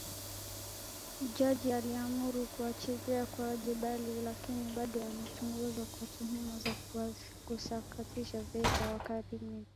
Jaji aliamuru kuachiliwa kwa Jebali lakini bado anachunguzwa kwa tuhuma za utakatishaji fedha, wakili Samir Dilou aliliambia shirika la habari.